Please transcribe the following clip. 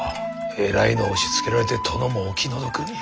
えらいのを押しつけられて殿もお気の毒に。